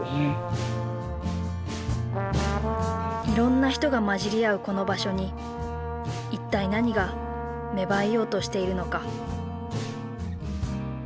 いろんな人がまじり合うこの場所に一体何が芽生えようとしているのか。